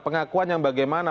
pengakuan yang bagaimana